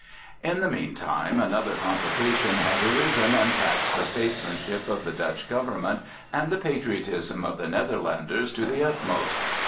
In the meantime another complication had arisen and taxed the statesmanship of the Dutch government and the patriotism of the Netherlanders to the utmost.